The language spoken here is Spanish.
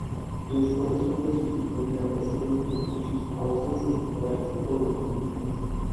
Les corresponde sustituir al Presidente en sus ausencias temporales o definitivas.